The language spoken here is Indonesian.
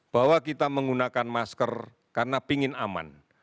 bahwa kita menggunakan masker karena ingin aman